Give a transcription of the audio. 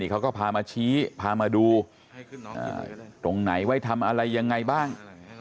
เขาก็พามาชี้พามาดูตรงไหนไว้ทำอะไรยังไงบ้าง